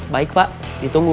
baik pak ditunggu